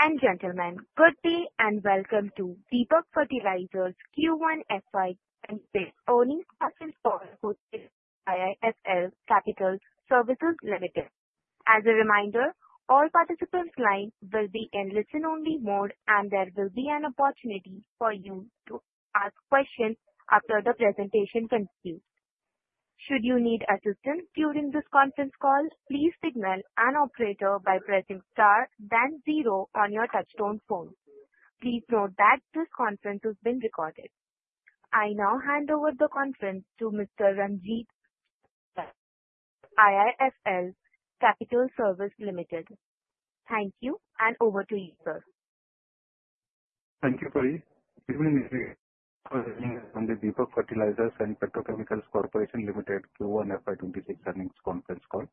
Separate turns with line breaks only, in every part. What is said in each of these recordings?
Ladies and gentlemen, good day and welcome to Deepak Fertilisers and Petrochemicals Corporation Limited Q1 FY 2025 earnings call within IIFL Capital Services Limited. As a reminder, all participants' lines will be in listen-only mode, and there will be an opportunity for you to ask questions after the presentation continues. Should you need assistance during this conference call, please signal an operator by pressing star, then zero on your touchtone phone. Please note that this conference is being recorded. I now hand over the conference to Mr. Ranjit, IIFL Capital Services Limited. Thank you and over to you, sir.
Thank you, Priya. Good evening, Mr. Hey. I was attending the Deepak Fertilisers and Petrochemicals Corporation Limited Q1 FY 2026 Earnings Conference call.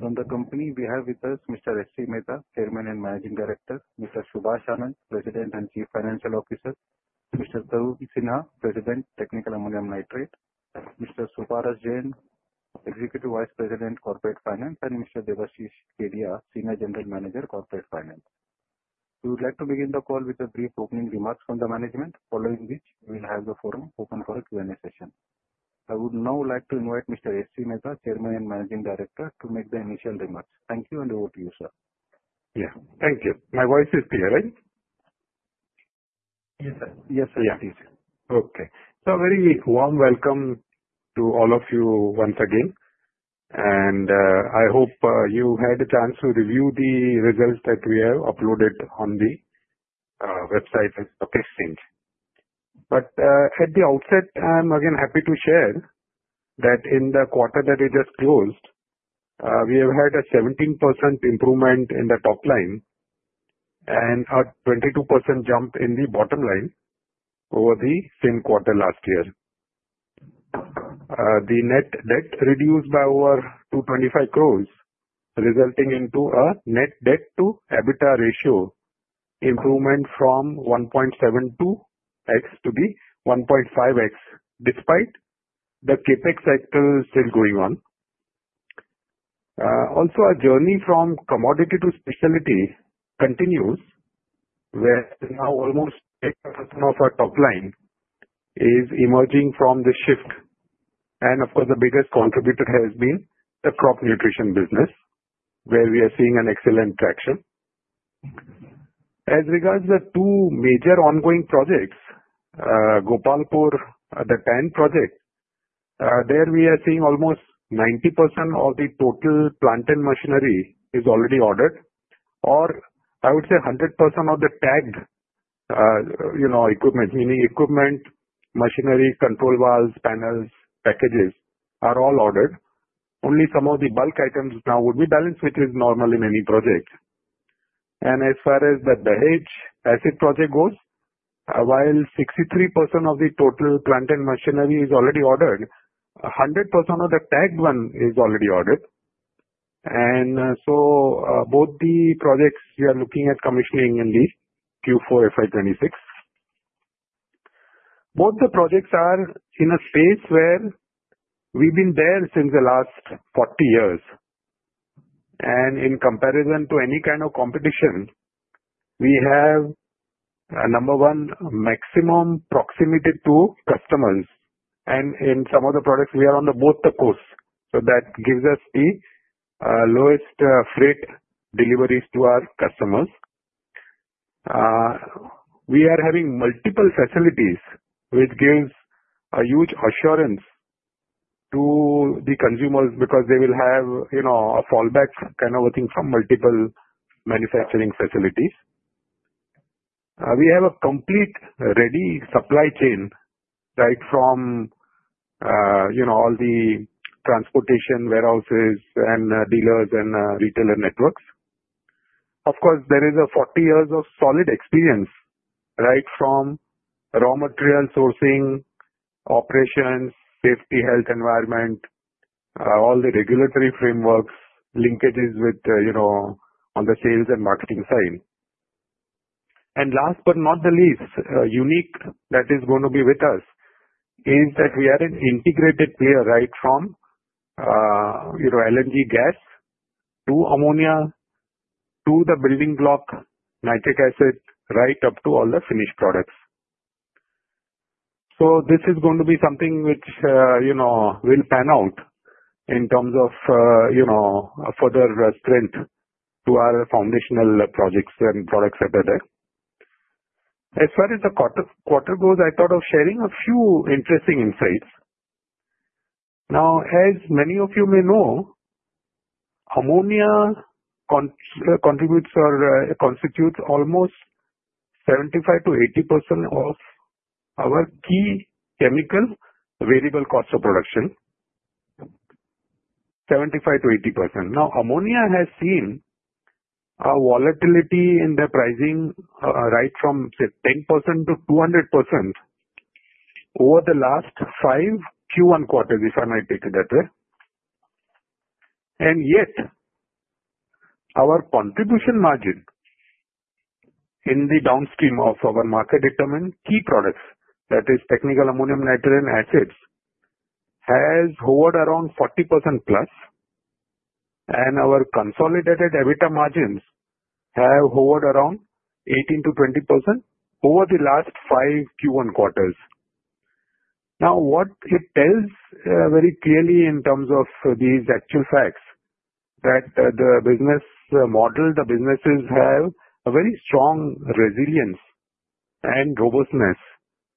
From the company, we have with us Mr. S. C. Mehta, Chairman and Managing Director; Mr. Subhash Anand, President and Chief Financial Officer; Mr. Tarun Sinha, President, Technical Ammonium Nitrate; Mr. Subhara Jaine, Executive Vice President, Corporate Finance; and Mr. Devasheesh Kedia, Senior General Manager, Corporate Finance. We would like to begin the call with brief opening remarks from the management, following which we will have the forum open for a Q&A session. I would now like to invite Mr. S. C. Mehta, Chairman and Managing Director, to make the initial remarks. Thank you and over to you, sir.
Yeah, thank you. My voice is clear, right?
Yes, sir. Yes, sir, please.
Okay. So a very warm welcome to all of you once again. I hope you had a chance to review the results that we have uploaded on the website of the testing. At the outset, I'm again happy to share that in the quarter that we just closed, we have had a 17% improvement in the top line and a 22% jump in the bottom line over the same quarter last year. The net debt reduced by over 225 crore, resulting in a net debt to EBITDA ratio improvement from 1.72x to 1.5x despite the CapEx cycle still going on. Also, our journey from commodity to specialty continues, where now almost 80% of our top line is emerging from the shift. Of course, the biggest contributor has been the crop nutrition business, where we are seeing excellent traction. As regards to the two major ongoing projects, Gopalpur, the TAN project, there we are seeing almost 90% of the total plant and machinery is already ordered, or I would say 100% of the tagged equipment, meaning equipment, machinery, control valves, panels, packages, are all ordered. Only some of the bulk items now would be balanced, which is normal in any project. As far as the Dahej asset project goes, while 63% of the total plant and machinery is already ordered, 100% of the tagged one is already ordered. Both the projects we are looking at commissioning in Q4 FY 2026. Both the projects are in a space where we've been there since the last 40 years. In comparison to any kind of competition, we have a number one maximum proximity to customers. In some of the products, we are on the boat to coast. That gives us the lowest freight deliveries to our customers. We are having multiple facilities, which gives a huge assurance to the consumers because they will have a fallback kind of a thing from multiple manufacturing facilities. We have a complete ready supply chain right from all the transportation, warehouses, and dealers and retailer networks. There is 40 years of solid experience right from raw material sourcing, operations, safety, health, environment, all the regulatory frameworks, linkages with, you know, on the sales and marketing side. Last but not the least, unique that is going to be with us is that we are an integrated player right from LNG gas to ammonia to the building block nitric acid right up to all the finished products. This is going to be something which, you know, will pan out in terms of, you know, further strength to our foundational projects and products that are there. As far as the quarter goes, I thought of sharing a few interesting insights. Now, as many of you may know, ammonia contributes or constitutes almost 75%-80% of our key chemical variable cost of production, 75%-80%. Ammonia has seen a volatility in the pricing right from, say, 10% to 200% over the last five Q1 quarters, if I might take it that way. Yet, our contribution margin in the downstream of our market-determined key products, that is, technical ammonium nitrate acids, has hovered around 40%+, and our consolidated EBITDA margins have hovered around 18%-20% over the last five Q1 quarters. What it tells very clearly in terms of these actual facts is that the business model, the businesses have a very strong resilience and robustness,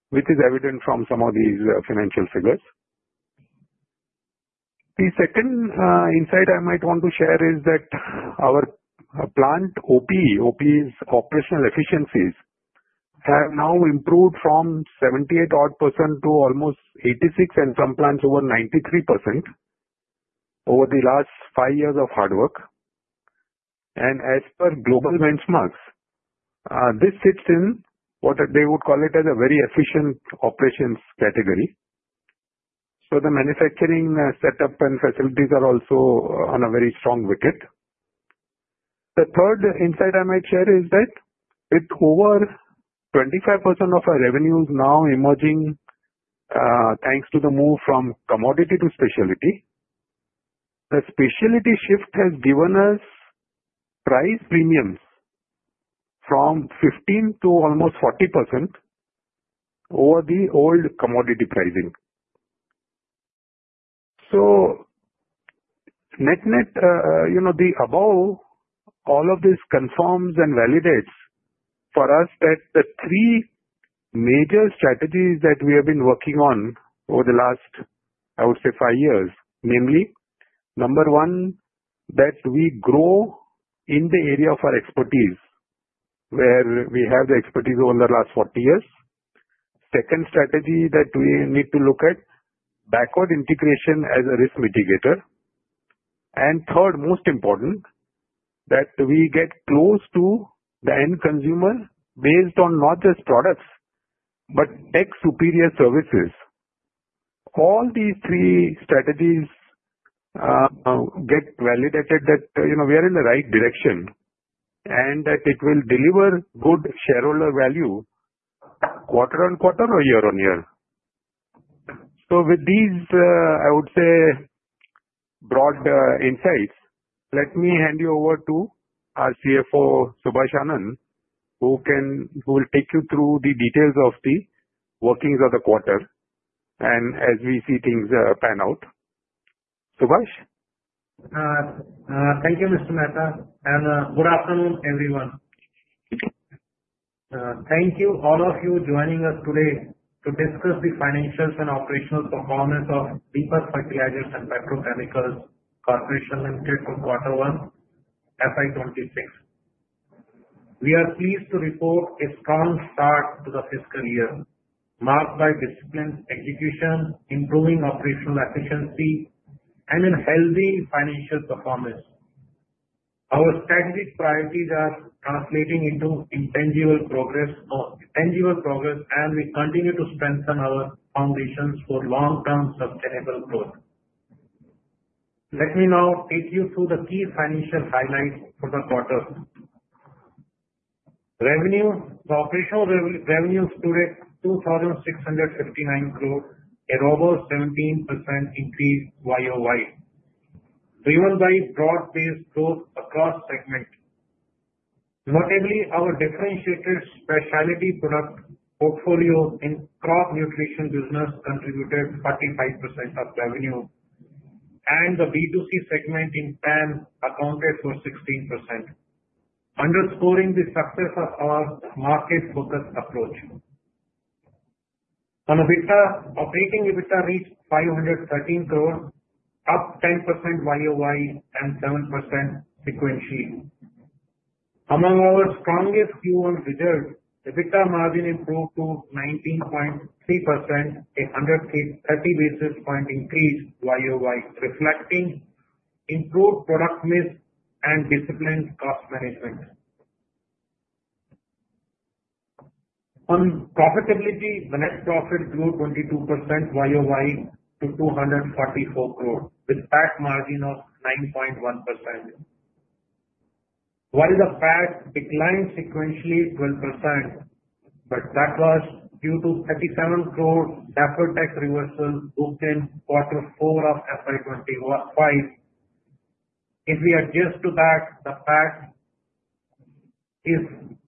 which is evident from some of these financial figures. The second insight I might want to share is that our plant OP, OP is operational efficiencies, have now improved from 78% odd to almost 86%, and some plants over 93% over the last five years of hard work. As per global benchmarks, this sits in what they would call a very efficient operations category. The manufacturing setup and facilities are also on a very strong wicket. The third insight I might share is that with over 25% of our revenues now emerging thanks to the move from commodity to specialty, the specialty shift has given us price premiums from 15% to almost 40% over the old commodity pricing. Net net, you know, the above all of this confirms and validates for us that the three major strategies that we have been working on over the last, I would say, five years, namely, number one, that we grow in the area of our expertise, where we have the expertise over the last 40 years. The second strategy that we need to look at is backward integration as a risk mitigator. Third, most important, that we get close to the end consumer based on not just products, but tech-superior services. All these three strategies get validated that, you know, we are in the right direction and that it will deliver good shareholder value quarter on quarter or year on year. With these, I would say, broad insights, let me hand you over to our CFO, Subhash Anand, who will take you through the details of the workings of the quarter and as we see things pan out. Subhash?
Thank you, Mr. Mehta. Good afternoon, everyone. Thank you, all of you, joining us today to discuss the financials and operational performance of Deepak Fertilisers and Petrochemicals Corporation Limited for quarter one, FY 2026. We are pleased to report a strong start to the fiscal year, marked by disciplined execution, improving operational efficiency, and a healthy financial performance. Our strategic priorities are translating into tangible progress, and we continue to strengthen our foundations for long-term sustainable growth. Let me now take you through the key financial highlights for the quarter. Operational revenue stood at 2,659 crore, a robust 17% increase YOY, driven by broad-based growth across segments. Notably, our differentiated specialty product portfolio in the crop nutrition business contributed 45% of revenue, and the B2C segment in TAN accounted for 16%, underscoring the success of our market-focused approach. On EBITDA, operating EBITDA reached 513 crore, up 10% YOY, and 7% sequentially. Among our strongest Q1 results, EBITDA margin improved to 19.3%, a 130 basis point increase YOY, reflecting improved product mix and disciplined cost management. On profitability, the net profit grew 22% YOY to 244 crore, with a PAT margin of 9.1%. While the PAT declined sequentially 12%, that was due to 37 crore DapperTech reversal booked in quarter four of FY 2025. If we adjust to that, the PAT is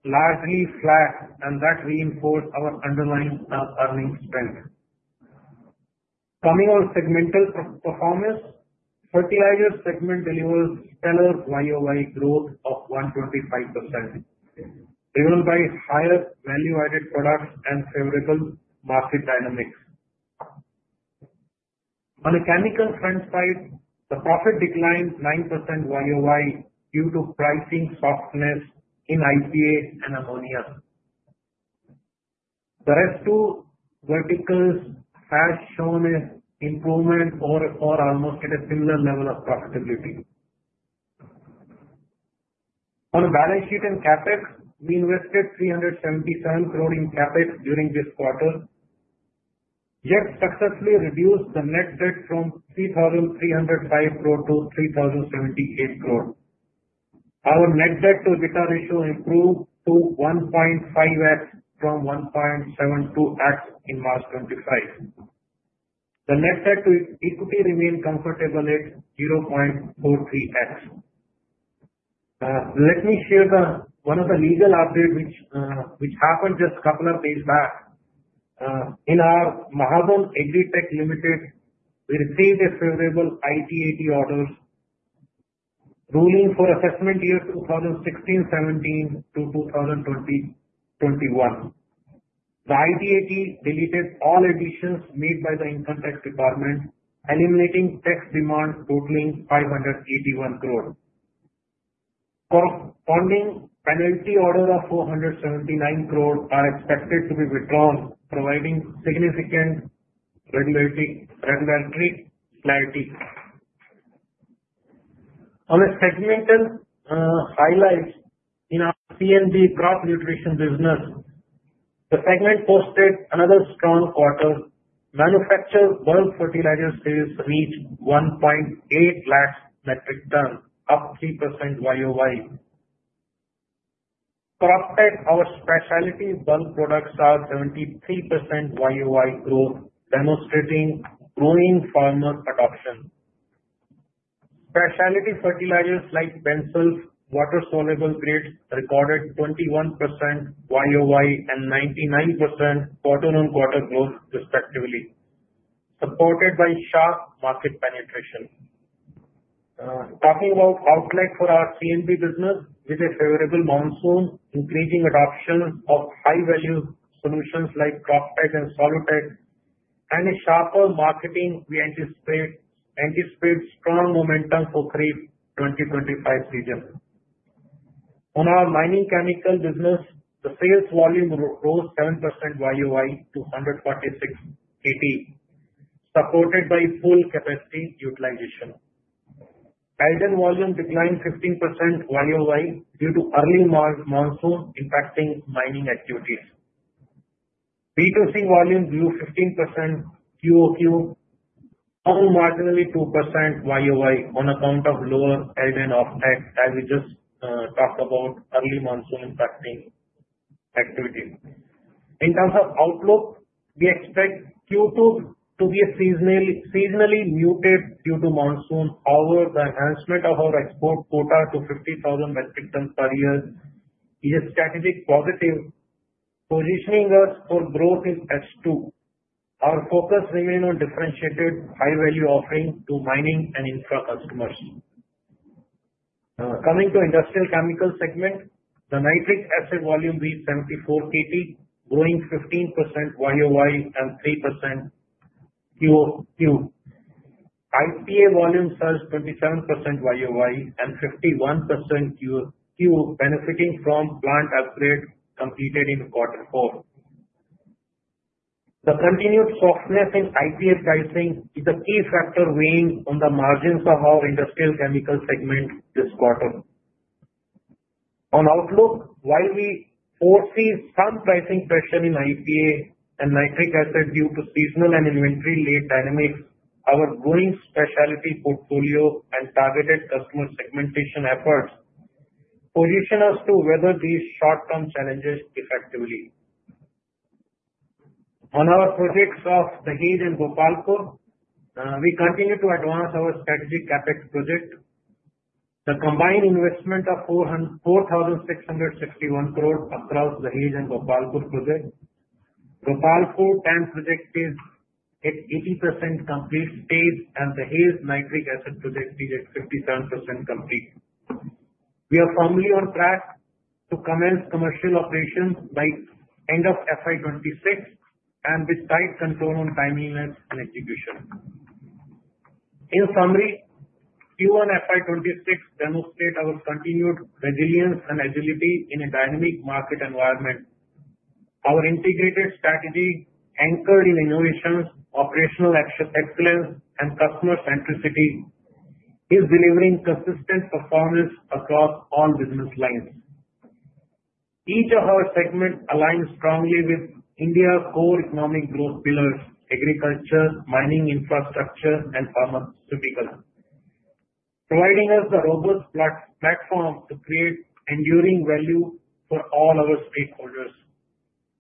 largely flat, and that reinforced our underlying earnings strength. Coming on segmental performance, the fertilizer segment delivers stellar YOY growth of 125%, driven by higher value-added products and favorable market dynamics. On the chemical front side, the profit declined 9% YOY due to pricing softness in isopropyl alcohol and ammonia. The rest of the verticals have shown an improvement or are almost at a similar level of profitability. On the balance sheet and CapEx, we invested 377 crore in CapEx during this quarter, yet successfully reduced the net debt from 3,305 crore to 3,078 crore. Our net debt to EBITDA ratio improved to 1.5x from 1.72x in March 2025. The net debt to equity remained comfortable at 0.43x. Let me share one of the legal updates which happened just a couple of days back. In our Mahazan AgriTech Limited, we received a favorable ITAT order ruling for assessment years 2016, 2017 to 2021. The ITAT deleted all additions made by the income tax department, eliminating tax demand totaling 581 crore. Corresponding penalty orders of 479 crore are expected to be withdrawn, providing significant regulatory clarity. On the segmental highlights in our CNG crop nutrition business, the segment posted another strong quarter. Manufactured bulk fertilizer sales reached 1.8 lakh metric ton, up 3% YOY. For Uptech, our specialty bulk products are 73% YOY growth, demonstrating growing farmer adoption. Specialty fertilizers like Bencyl's water-soluble grade recorded 21% YOY and 99% quarter-on-quarter growth, respectively, supported by sharp market penetration. Talking about outlook for our CNG business, with a favorable monsoon, increasing adoption of high-value solutions like CropTech and Solutech, and a sharper marketing, we anticipate strong momentum for the FY 2025 region. On our mining chemical business, the sales volume rose 7% YOY to 146.80, supported by full capacity utilization. Elgin volume declined 15% YOY due to early monsoon impacting mining activities. Reducing volume grew 15% QOQ, falling marginally 2% YOY on account of lower Elgin uptake as we just talked about early monsoon impacting activity. In terms of outlook, we expect Q2 to be seasonally muted due to monsoon. However, the enhancement of our export quota to 50,000 metric ton per year is a strategic positive, positioning us for growth in H2. Our focus remains on differentiated high-value offering to mining and infra customers. Coming to the industrial chemical segment, the nitric acid volume reached 74.80, growing 15% YOY and 3% QOQ. IPA volume surged 27% YOY and 51% QOQ, benefiting from plant upgrade completed in quarter four. The continued softness in IPA pricing is a key factor weighing on the margins of our industrial chemical segment this quarter. On outlook, while we foresee some pricing pressure in IPA and nitric acid due to seasonal and inventory-led dynamics, our growing specialty portfolio and targeted customer segmentation efforts position us to weather these short-term challenges effectively. On our projects of Dahej and Gopalpur, we continue to advance our strategic CapEx project. The combined investment of 4,661 crore across the Dahej and Gopalpur project. Gopalpur TAN projected at 80% complete stage, and the Dahej nitric acid projected at 57% complete. We are firmly on track to commence commercial operations by end of FY 2026 and with tight control on timeliness and execution. In summary, Q1 FY 2026 demonstrates our continued resilience and agility in a dynamic market environment. Our integrated strategy, anchored in innovations, operational excellence, and customer centricity, is delivering consistent performance across all business lines. Each of our segments aligns strongly with India's core economic growth pillars: agriculture, mining infrastructure, and pharmaceuticals, providing us a robust platform to create enduring value for all our stakeholders.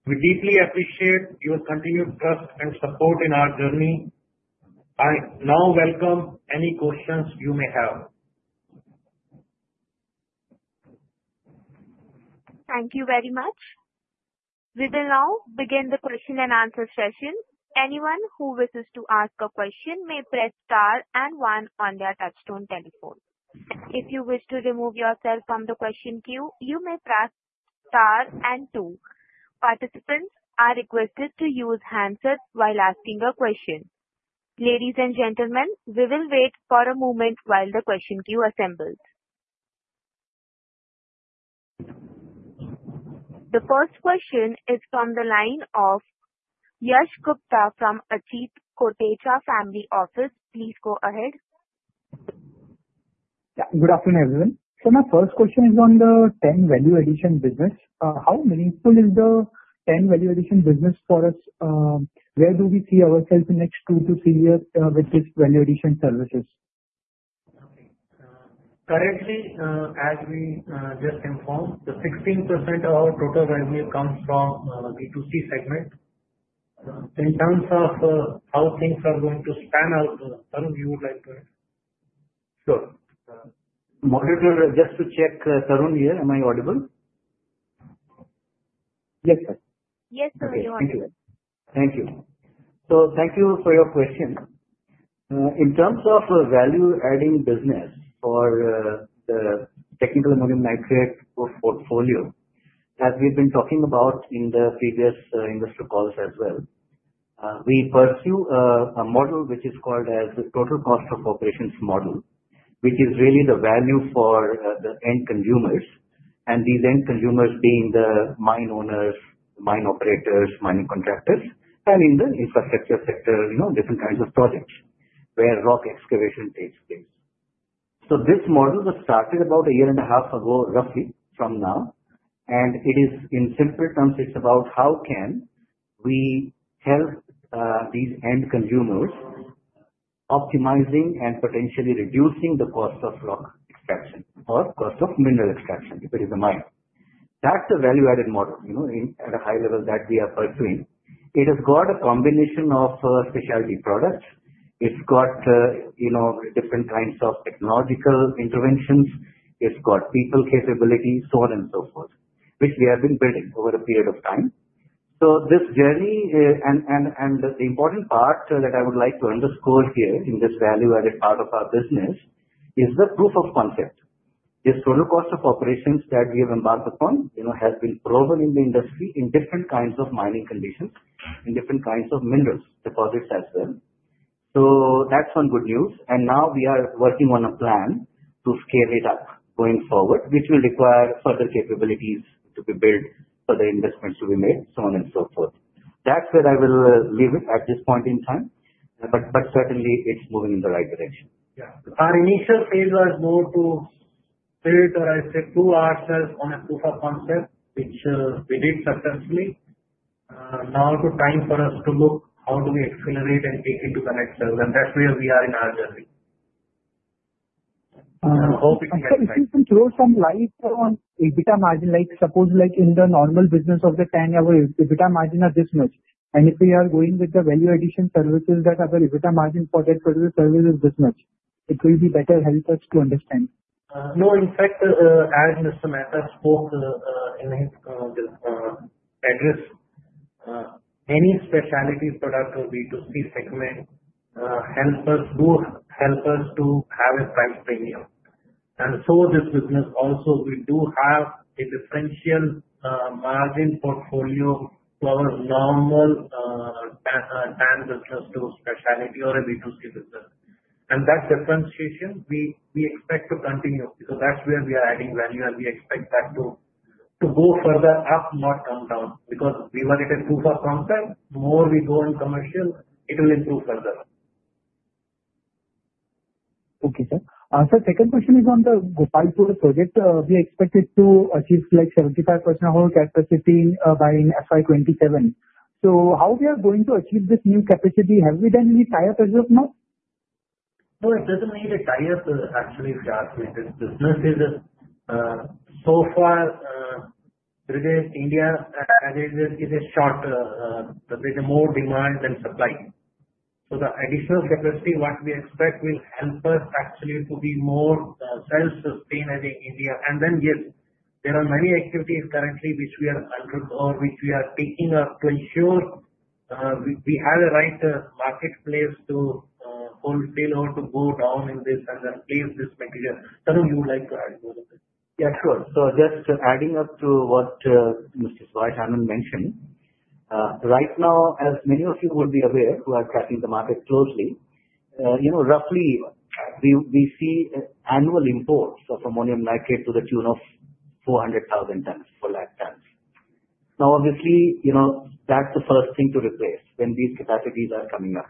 We deeply appreciate your continued trust and support in our journey. I now welcome any questions you may have.
Thank you very much. We will now begin the question-and-answer session. Anyone who wishes to ask a question may press star and one on their touchstone telephone. If you wish to remove yourself from the question queue, you may press star and two. Participants are requested to use handsets while asking a question. Ladies and gentlemen, we will wait for a moment while the question queue assembles. The first question is from the line of Yash Gupta from Asit Koticha Family Office. Please go ahead.
Good afternoon, everyone. My first question is on the TAN value addition business. How meaningful is the TAN value addition business for us? Where do we see ourselves in the next two to three years with this value addition services?
Currently, as we just informed, 16% of our total revenue comes from the B2C segment. In terms of how things are going to span out, Tarun, you would like to?
Sure. Just to check, Tarun, am I audible?
Yes, sir.
Yes, sir, you are here.
Thank you. Thank you for your question. In terms of value-adding business for the Technical Ammonium Nitrate portfolio, as we have been talking about in the previous industry calls as well, we pursue a model which is called the total cost of operations model, which is really the value for the end consumers, and these end consumers being the mine owners, the mine operators, mining contractors, and in the infrastructure sector, different kinds of projects where rock excavation takes place. This model was started about a year and a half ago, roughly, from now. In simple terms, it's about how can we help these end consumers optimizing and potentially reducing the cost of rock extraction or cost of mineral extraction if it is a mine. That's the value-added model, at a high level, that we are pursuing. It has got a combination of specialty products. It's got different kinds of technological interventions. It's got people capabilities, so on and so forth, which we have been building over a period of time. This journey, and the important part that I would like to underscore here in this value-added part of our business, is the proof of concept. This total cost of operations that we have embarked upon has been proven in the industry in different kinds of mining conditions, in different kinds of minerals deposits as well. That's some good news. We are working on a plan to scale it up going forward, which will require further capabilities to be built, further investments to be made, so on and so forth. That's where I will leave it at this point in time. Certainly, it's moving in the right direction. Our initial phase was more to build or, I said, prove ourselves on a proof of concept, which we did successfully. Now it's time for us to look how do we accelerate and take into the next level. That's where we are in our journey.
If you can throw some light on EBITDA margin, like suppose in the normal business of the TAN, our EBITDA margin is this much. If we are going with the value addition services, our EBITDA margin for that particular service is this much. It will be better to help us to understand.
No, in fact, as Mr. Mehta spoke in his address, any specialty product or B2C segment helps us to have a price premium. This business also, we do have a differential margin portfolio to our normal TAN business to a specialty or a B2C business. That differentiation, we expect to continue. That's where we are adding value, and we expect that to go further up, not come down, because we wanted a proof of concept. The more we go in commercial, it will improve further.
Okay, sir. The second question is on the Gopalpur project. We expect it to achieve 75% of our capacity by FY 2027. How are we going to achieve this new capacity? Have we done any trial preserves now?
No, it doesn't mean the tires are actually started. This business is, so far, today in India, as it is, is a short, there is more demand than supply. The additional capacity, what we expect, will help us actually to be more self-sustained in India. Yes, there are many activities currently which we are undergoing, which we are picking up to ensure we have the right marketplace to wholesale or to go down in this and replace this material. Tarun, you would like to add to all of this?
Yeah, sure. Just adding up to what Mr. Subhash Anand mentioned, right now, as many of you would be aware who are tracking the market closely, roughly, we see annual imports of ammonium nitrate to the tune of 400,000 metric tons. Obviously, that's the first thing to replace when these capacities are coming up.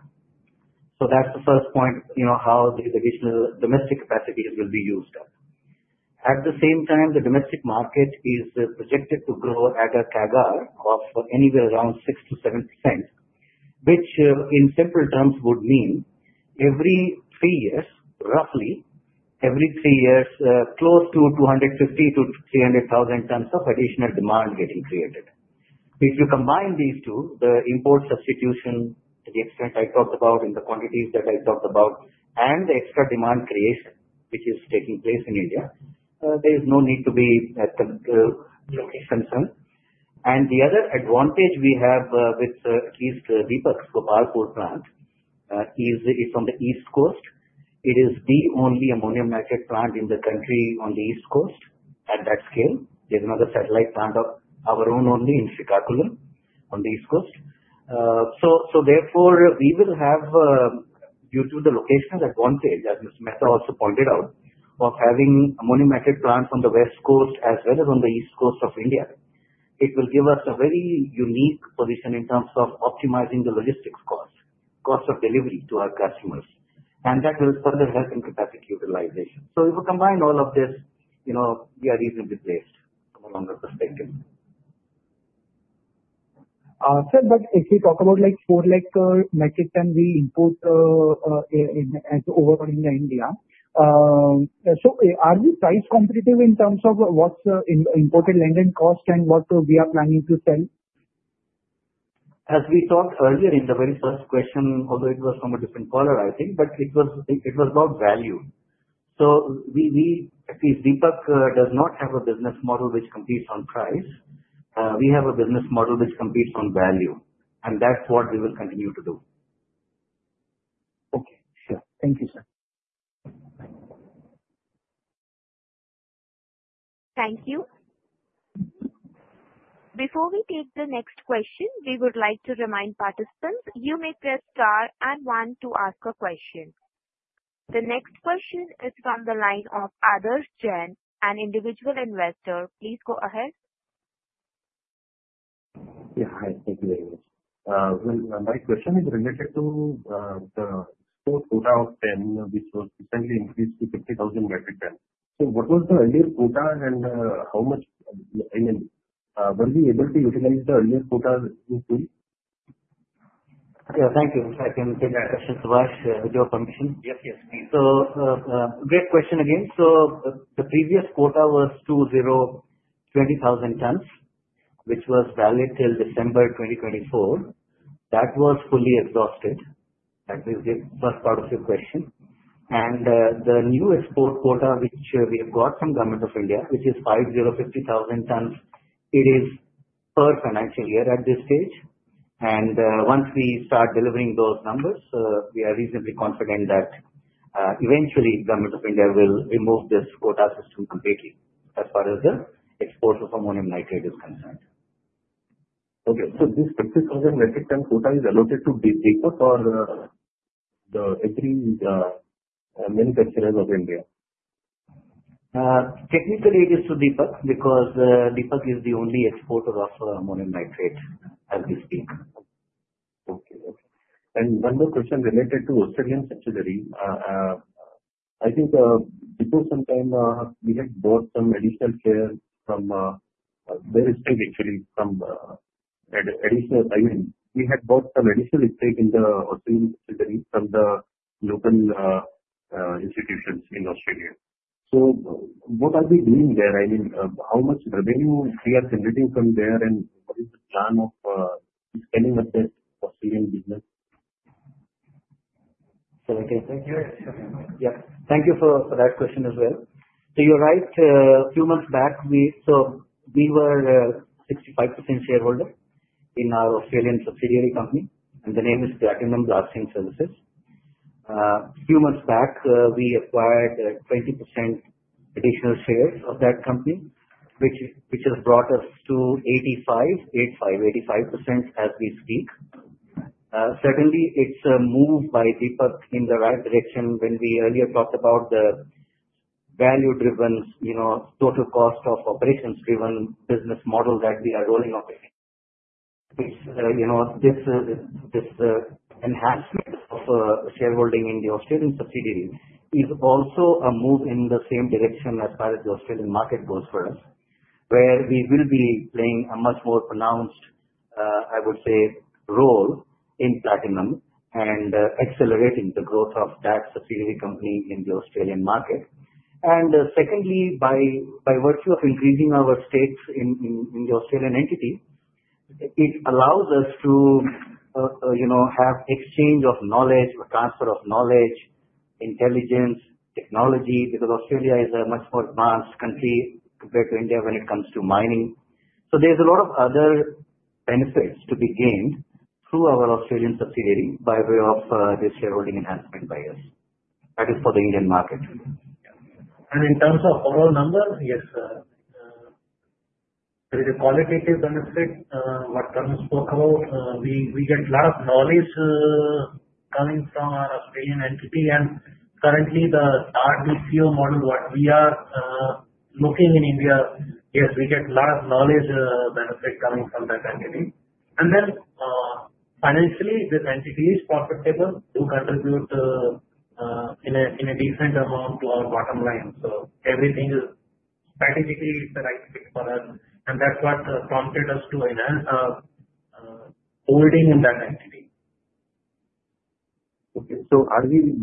That's the first point, how these additional domestic capacities will be used up. At the same time, the domestic market is projected to grow at a CAGR of anywhere around 6%-7%, which in simple terms would mean every three years, close to 250,000 metric tons-300,000 metric tons of additional demand getting created. If you combine these two, the import substitution to the extent I talked about in the quantities that I talked about, and the extra demand creation which is taking place in India, there is no need to be at the location sun. The other advantage we have with at least Deepak Fertilisers and Petrochemicals Corporation Limited's Gopalpur plant is it's on the East Coast. It is the only ammonium nitrate plant in the country on the East Coast at that scale. There's another satellite plant of our own only in Srikakulam on the East Coast. Therefore, we will have, due to the location advantage, as Mr. S. C. Mehta also pointed out, of having ammonium nitrate plants on the West Coast as well as on the East Coast of India, it will give us a very unique position in terms of optimizing the logistics cost, cost of delivery to our customers. That will further help in capacity utilization. If we combine all of this, we are easily replaced from a longer perspective.
Sir, if we talk about like 400,000 metric ton we import as overall in India, are we price competitive in terms of what's the imported landed cost and what we are planning to sell?
As we thought earlier in the very first question, although it was from a different caller, I think, it was about value. At least Deepak Fertilisers and Petrochemicals Corporation Limited does not have a business model which competes on price. We have a business model which competes on value, and that's what we will continue to do.
Okay. Sure. Thank you, sir.
Thank you. Before we take the next question, we would like to remind participants you may press star and one to ask a question. The next question is from the line of Adarsh Jaine, an individual investor. Please go ahead. Yeah. Hi. Thank you very much. My question is related to the export quota of TAN, which was recently increased to 50,000 metric tons. What was the earlier quota and how much, I mean, were we able to utilize the earlier quota in full?
Yeah, thank you. I can take that question. Do you have permission?
Yes, yes, please.
The previous quota was 20,000 tons, which was valid till December 2024. That was fully exhausted. That was the first part of your question. The new export quota, which we have got from the Government of India, is 50,000 tons. It is per financial year at this stage. Once we start delivering those numbers, we are reasonably confident that eventually the Government of India will remove this quota system completely as far as the export of ammonium nitrate is concerned. Okay. This 50,000 metric ton quota is allocated to Deepak Fertilisers and Petrochemicals Corporation Limited or the agreed manufacturers of India? Technically, it is to Deepak because Deepak is the only exporter of ammonium nitrate as we speak. Okay. Okay. One more question related to the Australian subsidiary. I think before some time, we had bought some additional estate in the Australian subsidiary from the local institutions in Australia. What are we doing there? How much revenue are we generating from there and what is the plan of scaling up the Australian business? Thank you. Yeah. Thank you for that question as well. You're right. A few months back, we were a 65% shareholder in our Australian subsidiary company, and the name is Platinum Blasting Services. A few months back, we acquired 20% additional shares of that company, which has brought us to 85% as we speak. Certainly, it's a move by Deepak Fertilisers and Petrochemicals Corporation Limited in the right direction when we earlier talked about the value-driven, total cost of operations-driven business model that we are rolling out again. This enhancement of shareholding in the Australian subsidiary is also a move in the same direction as far as the Australian market goes for us, where we will be playing a much more pronounced, I would say, role in Platinum and accelerating the growth of that subsidiary company in the Australian market. Secondly, by virtue of increasing our stakes in the Australian entity, it allows us to have exchange of knowledge, a transfer of knowledge, intelligence, technology, because Australia is a much more advanced country compared to India when it comes to mining. There's a lot of other benefits to be gained through our Australian subsidiary by way of this shareholding enhancement by us. That is for the Indian market. Yeah.
In terms of overall numbers, yes, there is a qualitative benefit, what Tarun spoke about, meaning we get a lot of knowledge coming from our Australian entity. Currently, the RBCO model, what we are looking in India, yes, we get a lot of knowledge benefit coming from that entity. Financially, this entity is profitable to contribute in a decent amount to our bottom line. Everything is strategically the right fit for us. That's what prompted us to holding in that entity. Okay. Are we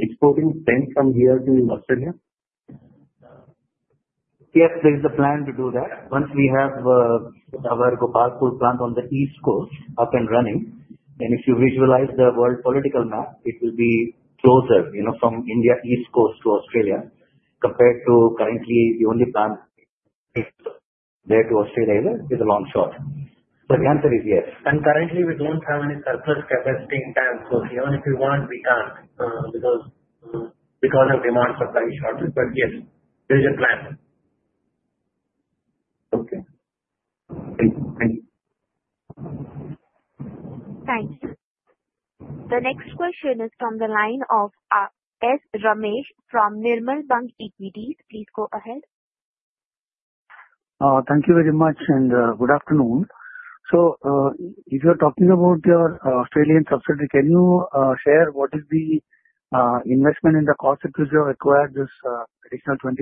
exporting TAN from here to Australia?
Yes, there is a plan to do that once we have our Gopalpur plant on the East Coast up and running. If you visualize the world political map, it will be closer, you know, from India East Coast to Australia compared to currently the only plant there to Australia either is a long shot. The answer is yes.
Currently, we don't have any surplus capacity in TAN. Even if we want, we can't because of demand-supply shortage. Yes, there is a plan. Okay. Thank you. Thank you.
Thank you. The next question is from the line of S. Ramesh from Nirmal Bang Equities. Please go ahead.
Thank you very much, and good afternoon. If you're talking about your Australian subsidiary, can you share what is the investment in the cost of which you have acquired this additional 20%?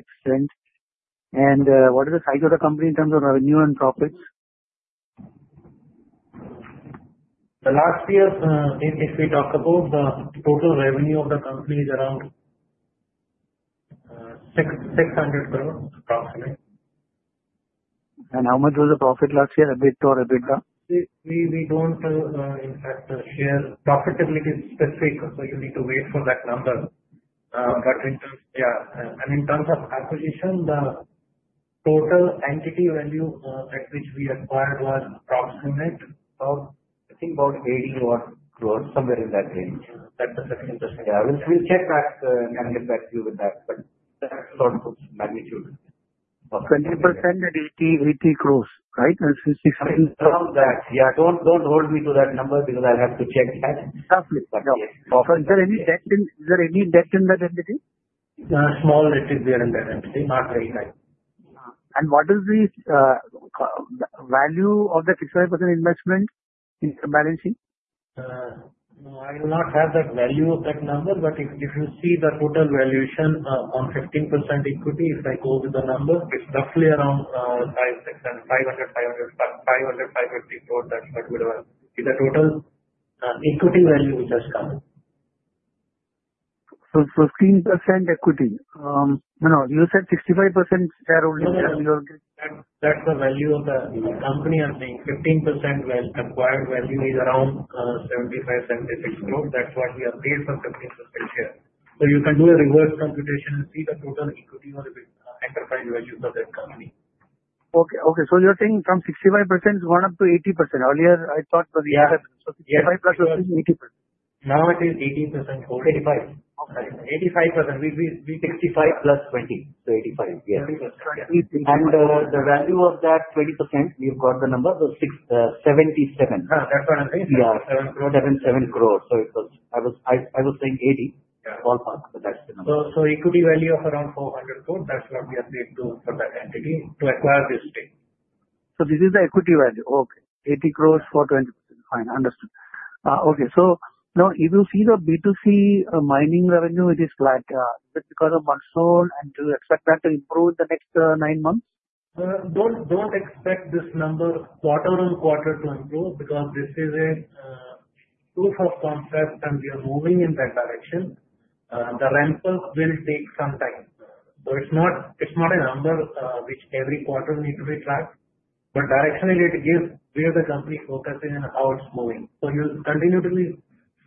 What is the size of the company in terms of revenue and profits?
The last year, if we talk about the total revenue of the company, it's around 600 crore, approximately.
How much was the profit last year, EBITDA or EBITDA?
We don't have a share. Profitability is specific, so you need to wait for that number. In terms of acquisition, the total entity value at which we acquired was approximately 80 crore, somewhere in that range. That's the 15%. We'll check back and get back to you with that. That's sort of the magnitude.
20% at 80 crore, right?
Around that. Yeah, don't hold me to that number because I have to check that.
Is there any debt in that entity?
Small debt is there in that entity, not very high.
What is the value of the 65% investment in balancing?
No, I will not have that value of that number, but if you see the total valuation on 15% equity, if I go with the number, it's roughly around 500 crore, 500 crore, INR 500 crore, 550 crore. That's what would be the total equity value which has come.
You said 15% equity. No, you said 65% shareholding share.
That's the value of the company as being 15%. The acquired value is around 75 crore, 76 crore. That's what we have paid for 15% share. You can do a reverse computation and see the total equity or enterprise values of that company.
Okay. You're saying from 65% it's gone up to 80%. Earlier, I thought the 65%+ was 80%.
Now it is 80%.
85%.
Sorry, 85%. We 65%+, 20%, so 85%. Yes.
20%. The value of that 20%, you've got the number, the 77.
That's what I'm saying. Yeah, 7 crore. 7 crore. I was saying 80 crore, ballpark, but that's the number. Equity value of around 400 crore. That's what we have paid for that entity to acquire this stake.
This is the equity value. Okay, 80 crore for 20%. Fine, understood. If you see the B2C mining revenue, it is flat. Is it because of monsoon, and do you expect that to improve in the next nine months?
Don't expect this number quarter on quarter to improve because this is a proof of concept, and we are moving in that direction. The ramp-up will take some time. It's not a number which every quarter needs to be tracked, but directionally it gives where the company is focusing and how it's moving. You'll continue to be,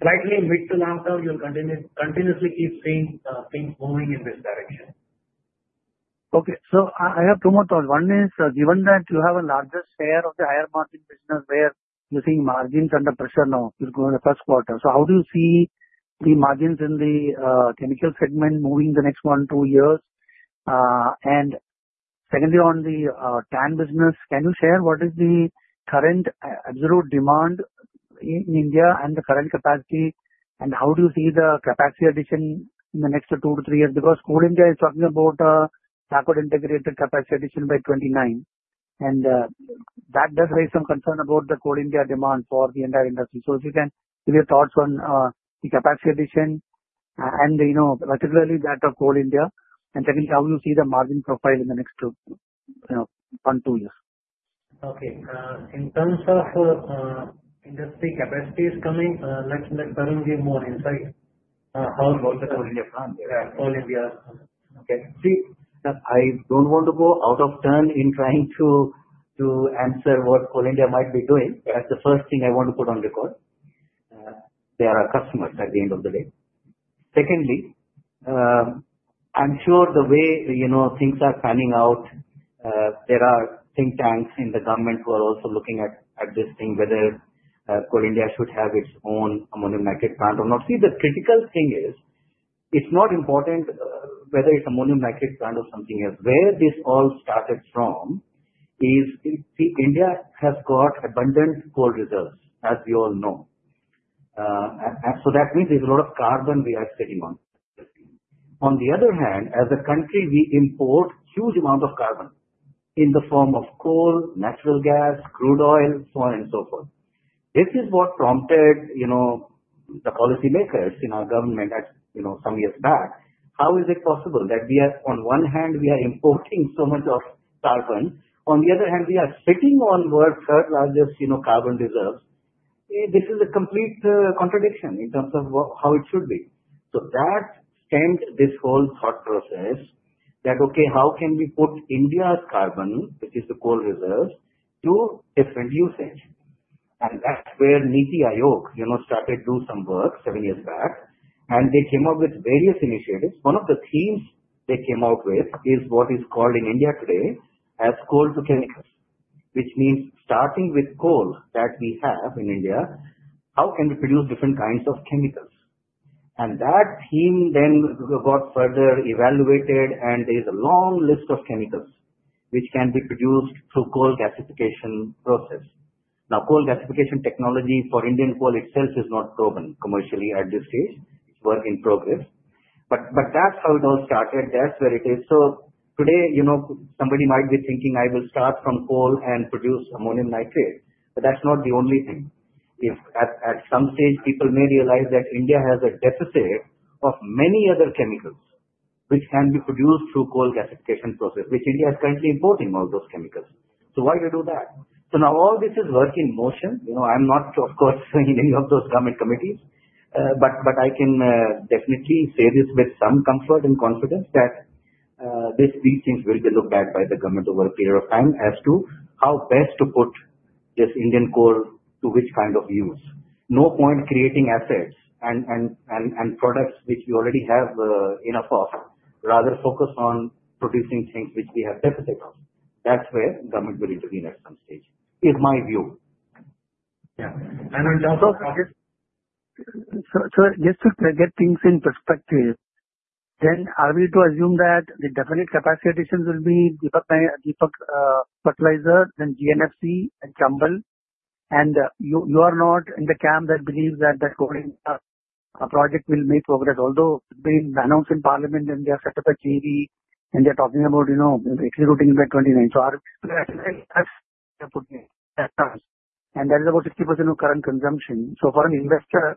slightly mid to long term, you'll continuously keep seeing things moving in this direction.
Okay. I have two more thoughts. One is, given that you have a larger share of the higher margin business where you're seeing margins under pressure now, you're going in the first quarter. How do you see the margins in the chemical segment moving the next one, two years? Secondly, on the TAN business, can you share what is the current absolute demand in India and the current capacity? How do you see the capacity addition in the next two to three years? Coal India is talking about a backward integrated capacity addition by 2029. That does raise some concern about the Coal India demand for the entire industry. If you can give your thoughts on the capacity addition and, particularly that of Coal India, and secondly, how do you see the margin profile in the next one, two years?
Okay. In terms of industry capacity is coming, let Tarun give more insight. How about the Coal India plant?
Yeah, Coal India.
Okay.
See, I don't want to go out of turn in trying to answer what Coal India might be doing. That's the first thing I want to put on the call. They are our customers at the end of the day. Secondly, I'm sure the way, you know, things are panning out, there are think tanks in the government who are also looking at this thing, whether Coal India should have its own ammonium nitrate plant or not. The critical thing is it's not important whether it's ammonium nitrate plant or something else. Where this all started from is, see, India has got abundant coal reserves, as we all know. That means there's a lot of carbon we are sitting on. On the other hand, as a country, we import a huge amount of carbon in the form of coal, natural gas, crude oil, so on and so forth. This is what prompted, you know, the policymakers in our government, as you know, some years back, how is it possible that we are, on one hand, we are importing so much of carbon? On the other hand, we are sitting on the world's third largest, you know, carbon reserves. This is a complete contradiction in terms of how it should be. That stemmed this whole thought process that, okay, how can we put India's carbon, which is the coal reserve, to different uses? That's where Niti Aayog started to do some work seven years back. They came up with various initiatives. One of the themes they came out with is what is called in India today as coal to chemicals, which means starting with coal that we have in India, how can we produce different kinds of chemicals? That theme then got further evaluated, and there's a long list of chemicals which can be produced through coal gasification process. Now, coal gasification technology for Indian coal itself is not proven commercially at this stage. It's work in progress. That's how it all started. That's where it is. Today, you know, somebody might be thinking, "I will start from coal and produce ammonium nitrate." That's not the only thing. If at some stage, people may realize that India has a deficit of many other chemicals which can be produced through coal gasification process, which India is currently importing all those chemicals. Why do we do that? Now all this is work in motion. You know, I'm not, of course, in any of those government committees, but I can definitely say this with some comfort and confidence that these things will be looked at by the government over a period of time as to how best to put this Indian coal to which kind of use. No point creating assets and products which we already have enough of. Rather focus on producing things which we have deficit of. That's where government will intervene at some stage, is my view.
In terms of.
Just to get things in perspective, are we to assume that the definite capacity additions will be Deepak Fertilisers and Petrochemicals, then GNFC, and Chambal? You are not in the camp that believes that the Coal India project will make progress, although it's been announced in Parliament and they have set up a JV and they're talking about, you know, executing by 2029.
Our expectations. That's the opinion.
That is about 60% of current consumption. For an investor,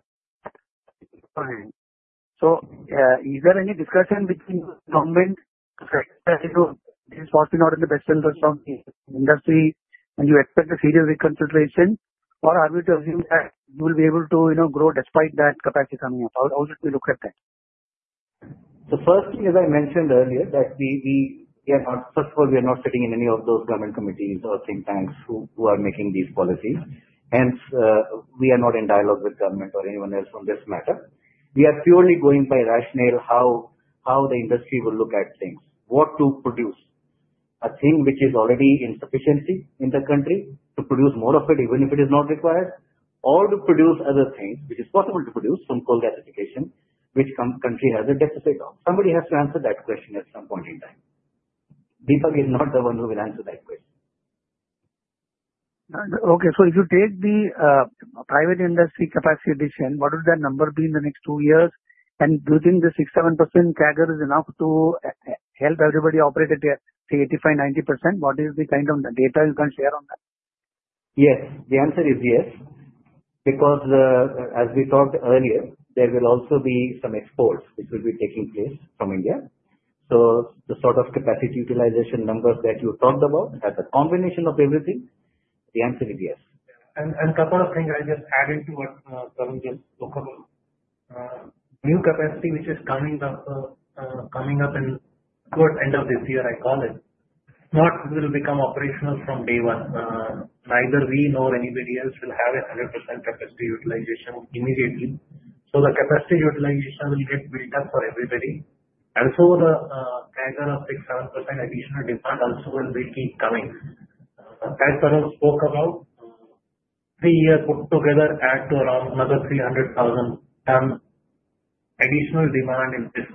is there any discussion between government to say that you know this is possibly not in the best interest of the industry and you expect a serious reconsideration, or are we to assume that you will be able to, you know, grow despite that capacity coming up? How should we look at that?
As I mentioned earlier, we are not, first of all, we are not sitting in any of those government committees or think tanks who are making these policies. Hence, we are not in dialogue with government or anyone else on this matter. We are purely going by rationale, how the industry will look at things, what to produce. A thing which is already insufficient in the country, to produce more of it, even if it is not required, or to produce other things which are possible to produce from coal gasification, which the country has a deficit of. Somebody has to answer that question at some point in time. Deepak is not the one who will answer that question.
Okay. If you take the private industry capacity addition, what would that number be in the next two years? Do you think the 6%-7% CAGR is enough to help everybody operate at, say, 85%-90%? What is the kind of data you can share on that?
Yes, the answer is yes. Because as we talked earlier, there will also be some exports, which will be taking place from India. The sort of capacity utilization numbers that you talked about, as a combination of everything, the answer is yes.
A couple of things I just added to what Tarun just spoke about. New capacity, which is coming up towards the end of this year, I call it, will not become operational from day one. Neither we nor anybody else will have 100% capacity utilization immediately. The capacity utilization will get built up for everybody. The CAGR of 6%-7% additional demand also will be coming. As Tarun spoke about, the three-year put together adds to around another 300,000 ton additional demand in this.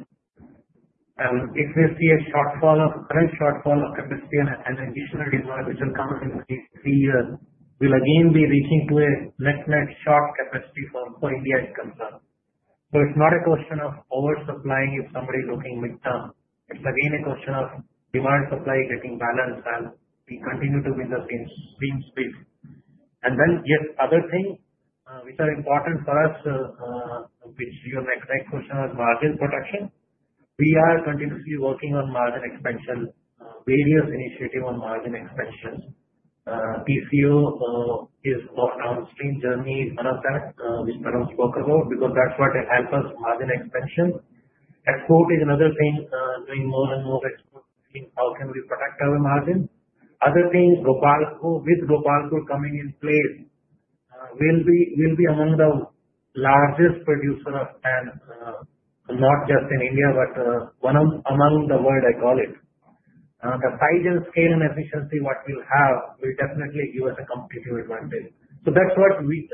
If we see a shortfall of current shortfall of capacity and an additional demand which will come in the three years, we'll again be reaching to a net net short capacity for India is concerned. It's not a question of oversupplying if somebody is looking midterm. It's a question of demand supply getting balanced and we continue to build up in space. Other things which are important for us, which your next question was, margin protection. We are continuously working on margin expansion, various initiatives on margin expansion. TCO is our downstream journey, is one of that, which Tarun spoke about because that's what will help us margin expansion. Export is another thing, doing more and more export, seeing how can we protect our margin. Other things, Gopalpur, with Gopalpur coming in place, will be among the largest producers of TAN, not just in India, but one of among the world, I call it. The size and scale and efficiency what we'll have will definitely give us a competitive advantage. That's what we,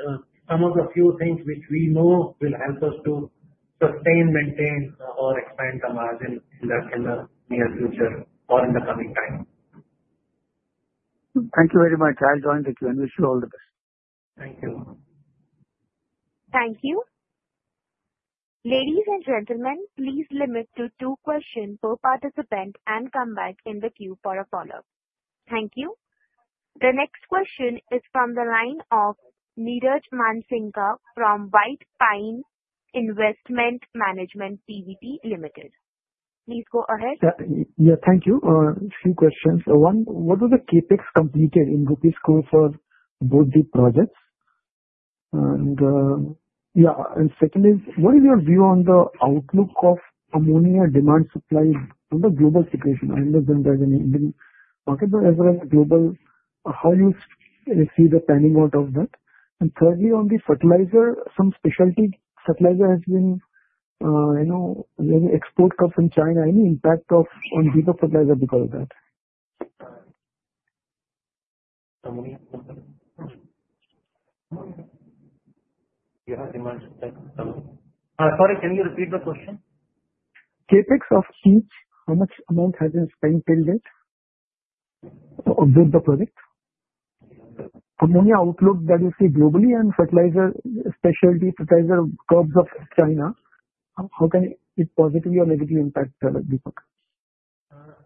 some of the few things which we know will help us to sustain, maintain, or expand the margin in the near future or in the coming time.
Thank you very much. I'll join the queue and wish you all the best.
Thank you.
Thank you. Ladies and gentlemen, please limit to two questions per participant and come back in the queue for a follow-up. Thank you. The next question is from the line of Niraj Mansingka from White Pine Investment Management, PVP Limited. Please go ahead.
Thank you. A few questions. One, what are the CapEx completed in INR for both the projects? Second, what is your view on the outlook of ammonia demand supply on the global situation? I understand there's an Indian market, but as well as global, how you see the panning out of that? Thirdly, on the fertilizer, some specialty fertilizer has been, you know, there's an export cap from China. Any impact on Deepak Fertilisers and Petrochemicals because of that?
Yeah, sorry, can you repeat the question?
CapEx of each, how much amount has been spent till date of the product? Ammonia outlook that you see globally and fertilizer, specialty fertilizer curbs of China, how can it positively or negatively impact Deepak Fertilisers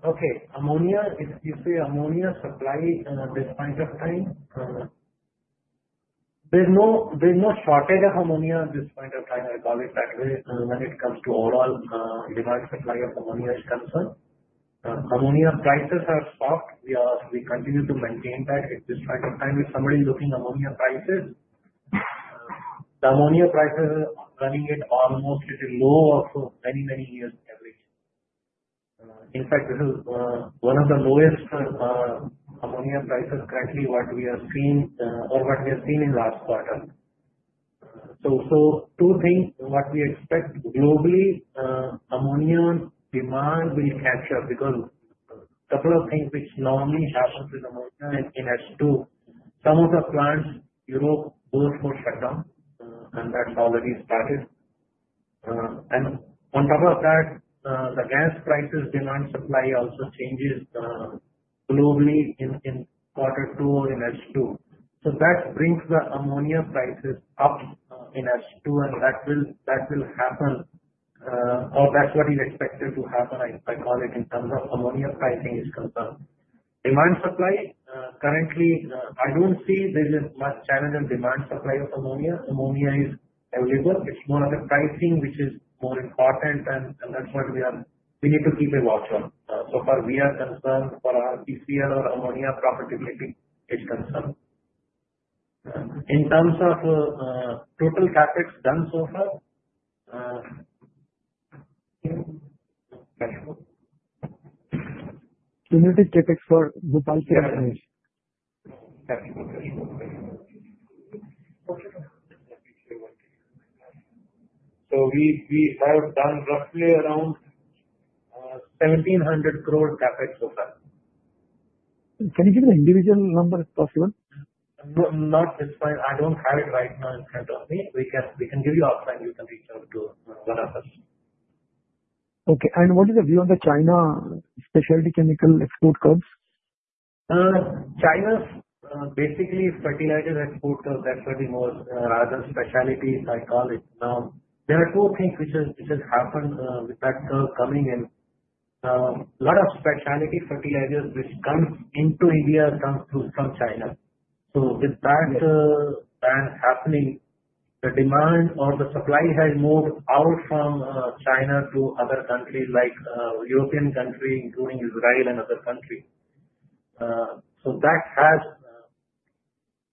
and Petrochemicals Corporation Limited?
Okay. If you see ammonia supply at this point of time, there's no shortage of ammonia at this point of time. I'll call it that way when it comes to overall demand supply of ammonia is concerned. Ammonia prices have soft. We continue to maintain that at this point of time. If somebody is looking at ammonia prices, the ammonia prices are running at almost at a low of many, many years average. In fact, this is one of the lowest ammonia prices currently what we have seen or what we have seen in the last quarter. Two things, what we expect globally, ammonia demand will catch up because a couple of things which normally happen with ammonia in H2. Some of the plants, Europe, both were shut down, and that's already started. On top of that, the gas prices demand supply also changes globally in quarter two or in H2. That brings the ammonia prices up in H2, and that will happen, or that's what is expected to happen, I call it, in terms of ammonia pricing is concerned. Demand supply, currently, I don't see there's as much challenge in demand supply of ammonia. Ammonia is available. It's more of a pricing which is more important, and that's what we need to keep a watch on. So far, we are concerned for our PCR or ammonia profitability is concerned. In terms of total CapEx done so far, yes.
Is this CapEx for Gopalpur?
Yes.
Okay.
We have done roughly around 1.7 billion CapEx so far.
Can you give me the individual number, if possible?
Not this time. I don't have it right now in front of me. We can give you offline. You can reach out to one of us.
Okay, what is the view on the China specialty chemical export curves?
China's basically fertilizer export curve. That's what we know as a specialty, I call it. Now, there are two things which have happened with that curve coming in. A lot of specialty fertilizers which come into India come from China. With that happening, the demand or the supply has moved out from China to other countries like European countries, including Israel and other countries. That has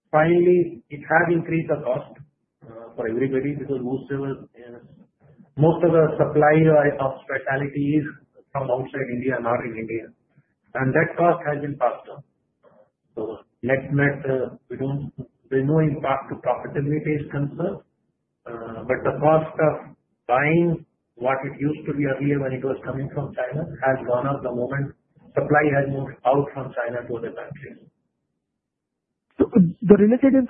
finally, it has increased the cost for everybody because most of the supply of specialty is from outside India, not in India. That cost has been passed on. Next month, we don't there's no impact to profitability is concerned. The cost of buying what it used to be earlier when it was coming from China has gone up. The moment supply has moved out from China to other countries.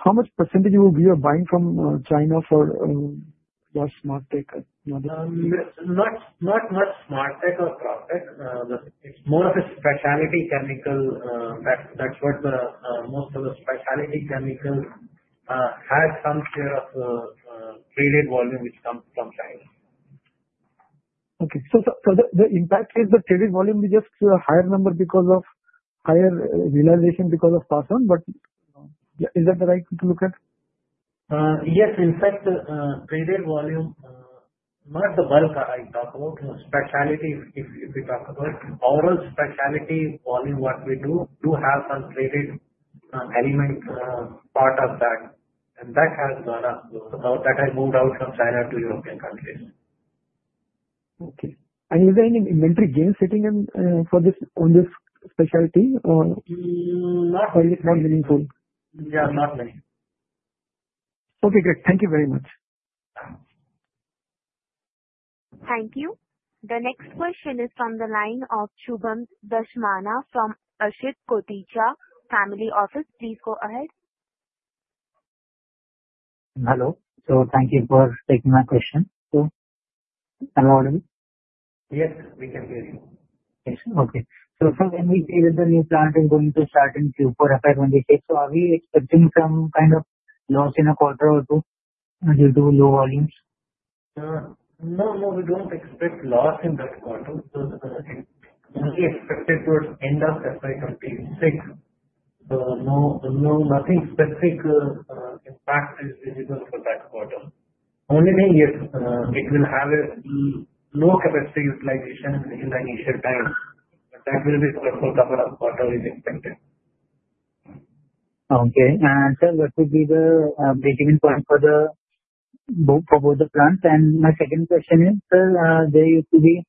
How much percentage are we buying from China for your SmartTech?
Not SmartTech or SmartTech. It's more of a specialty chemical. Most of the specialty chemical has some share of the traded volume which comes from China.
Okay. The impact is the traded volume is just a higher number because of higher realization because of pass-on, but is that the right thing to look at?
Yes. In fact, traded volume, not the bulk I talk about, the specialty, if we talk about it, overall specialty volume, we do have some traded element part of that. That has gone up. That has moved out from China to European countries.
Okay. Is there any inventory gain sitting in for this on this specialty?
Not.
Is it not meaningful?
Yeah, not meaningful.
Okay, great. Thank you very much.
Thank you. The next question is from the line of Subham Dashmanna from Ashit Kotecha Family Office. Please go ahead.
Hello. Thank you for taking my question. Hello?
Yes, we can hear you.
Okay. When we say that the new plant is going to start in Q4 FY 2026, are we expecting some kind of loss in a quarter or two due to low volumes?
No, no, we don't expect loss in that quarter. It's only expected towards the end of FY 2026. No, nothing specific, impact is visible for that quarter. Only thing, yes, it will have a low capacity utilization in the initial time, but that will be for the first quarter as expected.
Okay. Sir, what would be the break-even point for both the plants? My second question is, sir, there used to be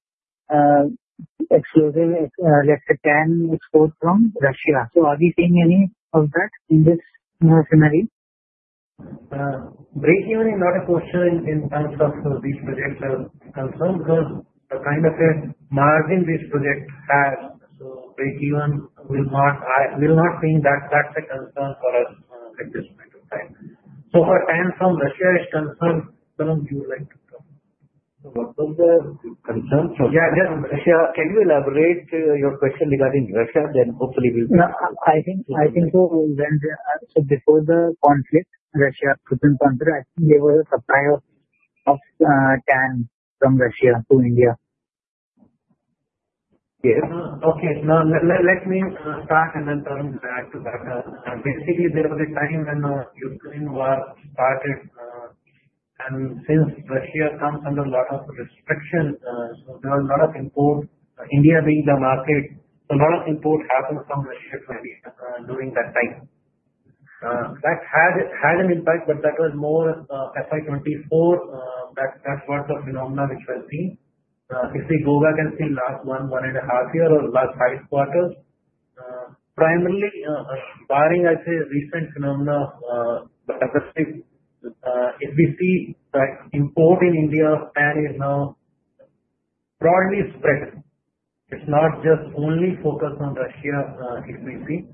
explosive, let's say, TAN export from Russia. Are we seeing any of that in this scenario?
Break-even is not a question in terms of which project is concerned because the kind of a margin this project has, break-even will not, I will not think that that's a concern for us at this point of time. For TAN from Russia is concerned. Don't you like to talk?
What was the concern from Russia?
Yeah, just Russia. Can you elaborate your question regarding Russia? Hopefully, we'll.
I think so. Before the conflict, Russia-Ukraine conflict, I think there was a supply of TAN from Russia to India.
Yes. Okay. Now let me start and then turn back to that. Basically, there was a time when the Ukraine war started, and since Russia comes under a lot of restrictions, there was a lot of import. India being the market, a lot of import happened from Russia during that time. That had an impact, but that was more FY 2024. That's the phenomena which was seen. If we go back and see the last one, one and a half years or last five quarters, primarily, barring I'd say a recent phenomena of the capacity, if we see the import in India of TAN is now broadly spread. It's not just only focused on Russia if we see.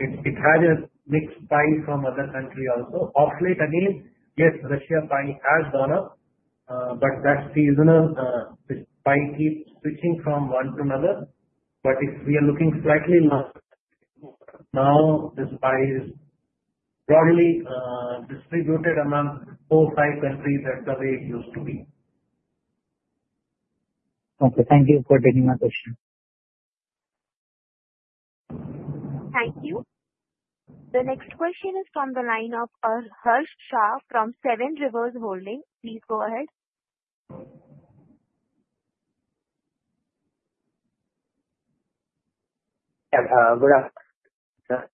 It has a mixed spike from other countries also. Off late, again, yes, Russia's spike has gone up, but that's seasonal. The spike keeps switching from one to another. If we are looking slightly longer, now the spike is broadly distributed among four or five countries. That's the way it used to be.
Okay, thank you for taking my question.
Thank you. The next question is from the line of Harsh Shah from Seven Rivers Holding. Please go ahead.
Harsh Shah,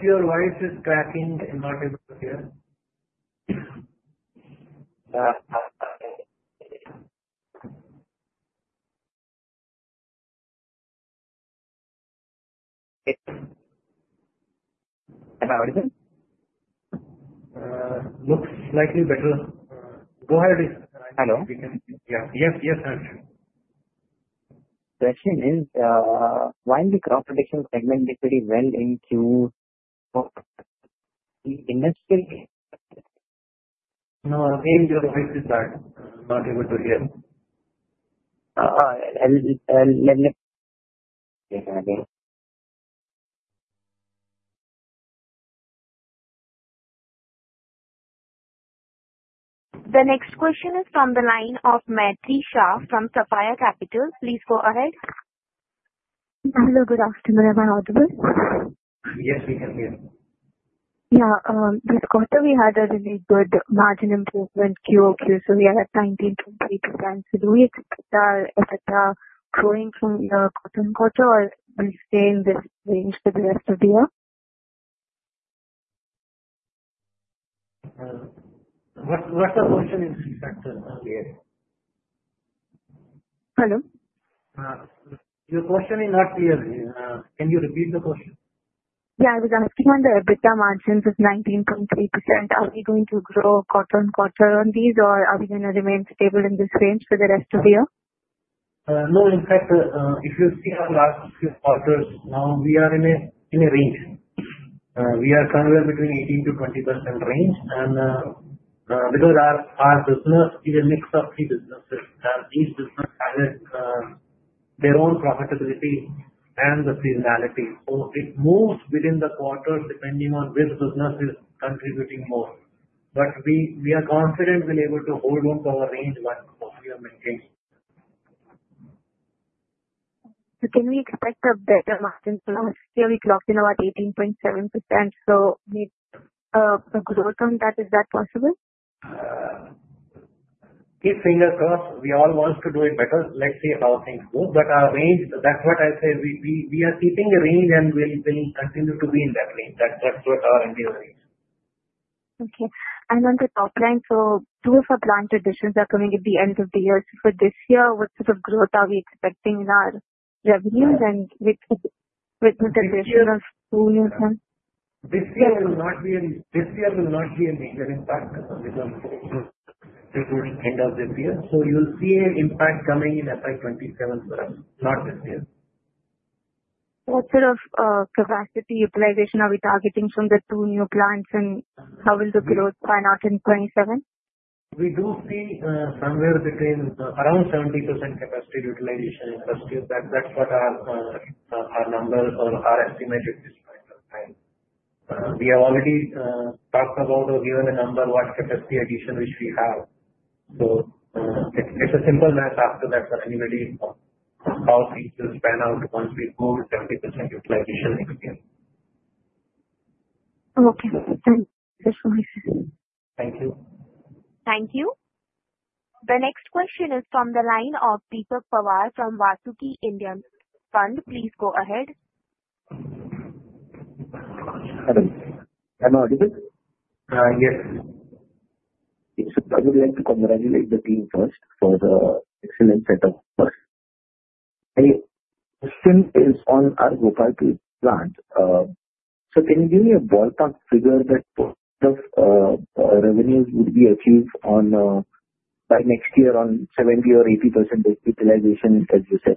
why is this cracking? I'm not able to hear?
How is it?
Looks slightly better. Go ahead, please.
Hello?
Yes, yes, Harsh.
The question is, why is the crop nutrition business segment decreasing well into the industry?
No, again, your voice is bad. I'm not able to hear.
Let me try again.
The next question is from the line of Maitri Shah from Sapphire Capital. Please go ahead.
Hello. Good afternoon. Am I audible?
Yes, we can hear you.
Yeah, this quarter, we had a really good margin improvement QOQ. We are at 19.32%. Do we expect our EBITDA growing from the current quarter, or will it stay in this range for the rest of the year?
What's the question in respect to?
Hello?
Your question is not clear. Can you repeat the question?
Yeah, I was asking when the EBITDA margin was 19.3%, are we going to grow quarter on quarter on these, or are we going to remain stable in this range for the rest of the year?
No. In fact, if you see our last few quarters, now we are in a range. We are somewhere between 18%-20% range. Because our business is a mix of three businesses, and these businesses have their own profitability and the seasonality, it moves within the quarters depending on which business is contributing more. We are confident we'll be able to hold on to our range while we are maintaining.
Can we expect the EBITDA margin to now still be close to about 18.7%? Maybe a growth on that, is that possible?
Keep fingers crossed. We all want to do it better. Let's see how things go. Our range, that's what I said. We are keeping a range and we will continue to be in that range. That's what our idea is.
Okay. On the top line, two of our plant additions are coming at the end of the year. For this year, what sort of growth are we expecting in our revenues and with the duration of two years' time?
This year will not be a major impact because we don't hope to do it end of this year. You'll see an impact coming in FY 2027 for us, not this year.
What sort of capacity utilization are we targeting from the two new plants, and how will the growth pan out in 2027?
We do see somewhere between around 70% capacity utilization in first year. That's what our number or our estimate at this point of time. We have already talked about or given a number of what capacity addition which we have. It's a simple math after that for anybody on how things will pan out once we move 20% utilization next year.
Okay, thank you.
Thank you.
Thank you. The next question is from the line of Deepak Pawar from Vasuki India Fund. Please go ahead.
Hello. Am I audible?
Yes.
I would like to congratulate the team first for the excellent setup. My question is on our Gopalpur plant. Can you give me a ballpark figure that the revenues would be achieved by next year on 70% or 80% utilization, as you said?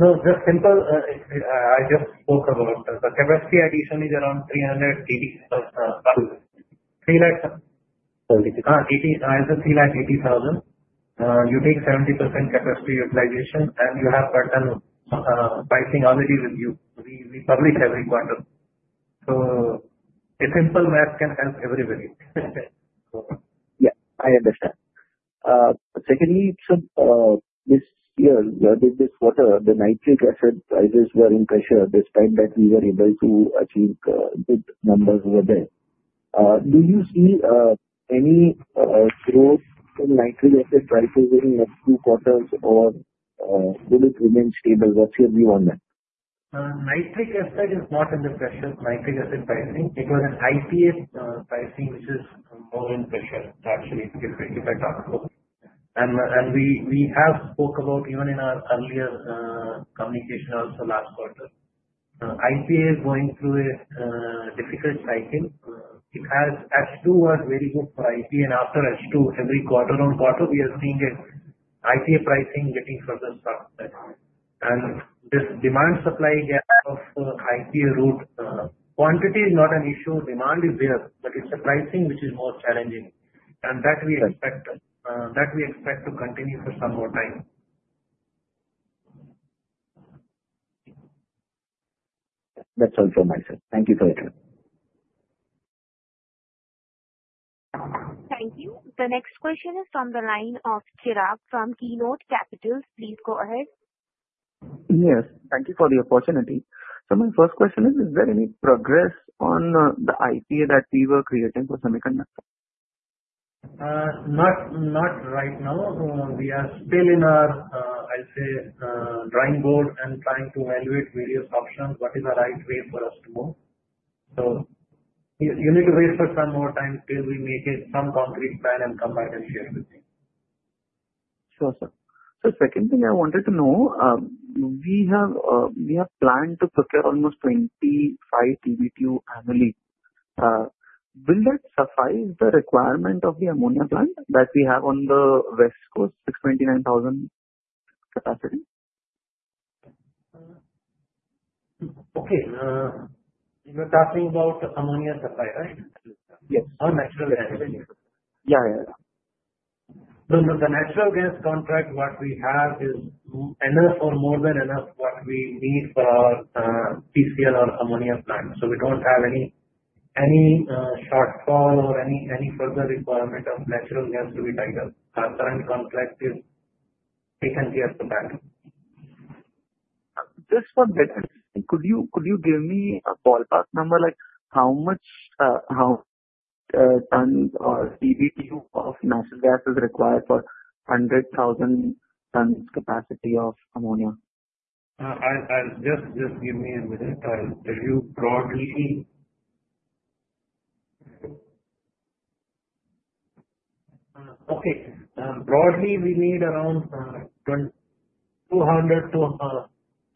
I just spoke about the capacity addition is around 380,000.
30,000.
30,000. It's 380,000. You take 70% capacity utilization, and you have certain pricing already with you. We publish every quarter. A simple math can help everybody.
Yeah, I understand. Secondly, sir, this year, during this quarter, the nitrate asset prices were in pressure. Despite that, we were able to achieve good numbers over there. Do you see any growth in nitrate asset prices in the next two quarters or will it remain stable? What's your view on that?
Nitrate asset is not under pressure. Nitrate asset pricing, it was an IPA pricing which is more in pressure to actually keep it up. We have spoke about even in our earlier communication also last quarter. IPA is going through a difficult cycle. H2 was very good for IPA, and after H2, every quarter on quarter, we are seeing IPA pricing getting further stuck. This demand supply gap of IPA route, quantity is not an issue. Demand is there, but it's the pricing which is more challenging. We expect that to continue for some more time.
That's all from my side. Thank you for your time.
Thank you. The next question is from the line of Chirag from KEYNOTE Capitals. Please go ahead.
Yes, thank you for the opportunity. My first question is, is there any progress on the isopropyl alcohol that we were creating for semiconductor?
Not right now. We are still in our, I'll say, drawing board and trying to evaluate various options, what is the right way for us to move. You need to wait for some more time till we make it some concrete plan and come back and share it with me.
Sure, sir. The second thing I wanted to know, we have planned to procure almost 25 DB2 annually. Will that suffice the requirement of the ammonia plant that we have on the West Coast, 629,000 capacity?
Okay. You're talking about ammonia supply, right?
Yes.
Natural gas?
Yeah, yeah.
The natural gas contract we have is enough or more than enough for what we need for our ammonia plant. We don't have any shortfall or any further requirement of natural gas to be tied up. Our current contract is taken care of the battery.
Just for better clarity, could you give me a ballpark number like how much tons or Nm3 of natural gas is required for 100,000 tons capacity of ammonia?
Just give me a minute. I'll give you broadly. Broadly, we need around 200 to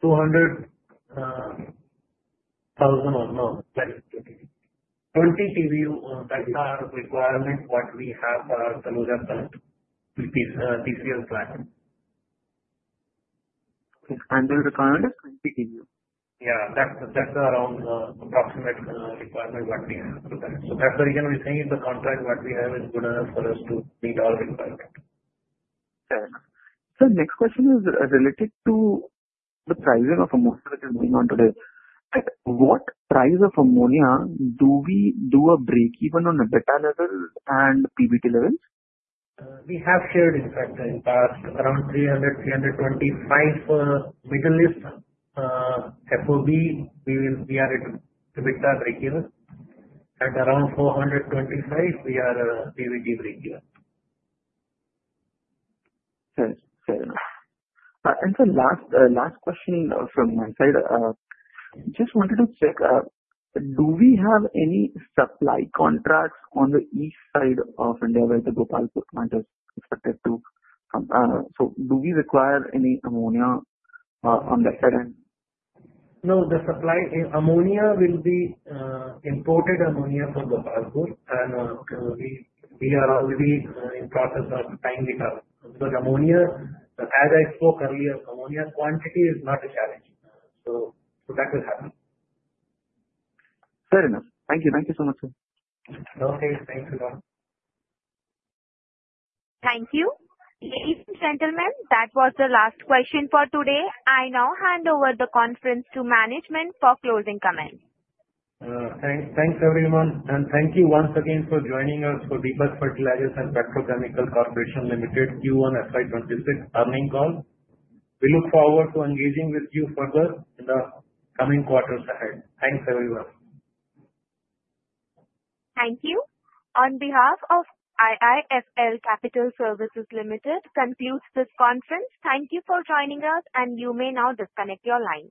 200,000 or no, 20, 20 DBU. That's our requirement, what we have for our Deepak Fertilisers and Petrochemicals Corporation Limited plant.
The requirement is 20 DBU.
Yeah, that's around the approximate requirement what we have for that. That's the reason we're saying the contract what we have is good enough for us to meet our requirement.
The next question is related to the pricing of ammonia which is going on today. At what price of ammonia do we do a break-even on EBITDA levels and PBT levels?
We have shared it in the past, around 300, 325 for Middle East. For FOB, we are at EBITDA break-even. At around 425, we are a DBG break-even.
Fair enough. Last question from my side, I just wanted to check, do we have any supply contracts on the east side of India where the Gopalpur plant is expected to come? Do we require any ammonia on that side?
No, the supply ammonia will be imported ammonia from Gopalpur, and we are already in the process of tying it up because ammonia, as I spoke earlier, ammonia quantity is not a challenge. That will happen.
Fair enough. Thank you. Thank you so much, sir.
Okay, thank you, sir.
Thank you. Ladies and gentlemen, that was the last question for today. I now hand over the conference to management for closing comments.
Thanks, everyone. Thank you once again for joining us for Deepak Fertilisers and Petrochemicals Corporation Limited Q1 FY 2026 earnings call. We look forward to engaging with you further in the coming quarters ahead. Thanks, everyone.
Thank you. On behalf of IIFL Capital Services Limited, this concludes this conference. Thank you for joining us, and you may now disconnect your line.